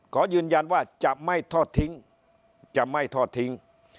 ขอยืนยันว่าจะไม่ทอดทิ้งจะไม่ทอดทิ้ง